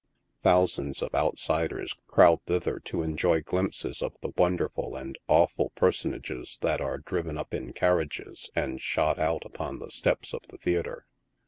Thousands of outsiders crowd thither to enjoy glimpses of the wonderful and awful personages that are driven up in carriages and shot out upon the steps of the theatre.